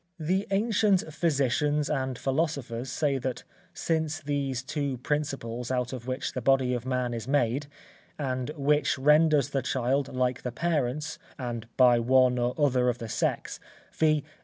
The ancient physicians and philosophers say that since these two principles out of which the body of man is made, and which renders the child like the parents, and by one or other of the sex, viz.